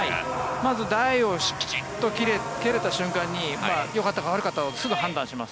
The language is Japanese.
まず台をきちっと蹴れた瞬間によかったか悪かったかをすぐ判断します。